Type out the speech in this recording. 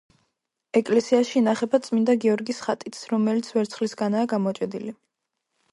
ეკლესიაში ინახება წმინდა გიორგის ხატიც, რომელიც ვერცხლისგანაა გამოჭედილი.